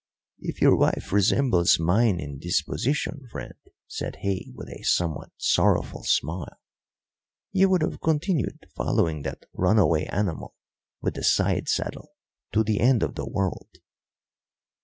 "If your wife resembles mine in disposition, friend," said he, with a somewhat sorrowful smile, "you would have continued following that runaway animal with the side saddle to the end of the world."